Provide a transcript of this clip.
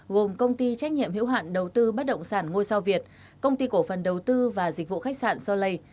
gồm công ty trách nhiệm hữu hạn đầu tư bất động sản ngôi sao việt công ty cổ phần đầu tư và dịch vụ khách sạn solay